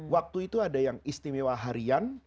waktu itu ada yang istimewa harian